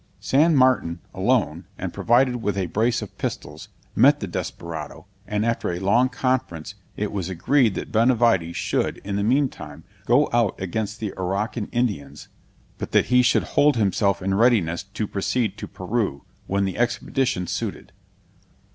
San Martin, alone, and provided with a brace of pistols, met the desperado; and after a long conference, it was agreed that Benavides should, in the mean time, go out against the Araucan Indians; but that he should hold himself in readiness to proceed to Peru, when the expedition suited.